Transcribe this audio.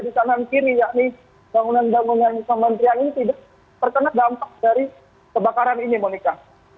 yakni bangunan bangunan pemerintahan ini tidak pertengah dampak dari kebakaran ini monika